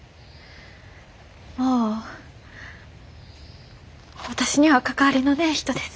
もう私には関わりのねえ人です。